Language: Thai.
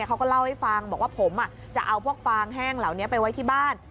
เขาก็เล่าให้ฟังบอกว่าผมจะเอาพวกฟางแห้งเหล่านี้ไปไว้ที่บ้าน